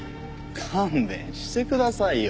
勘弁してくださいよ。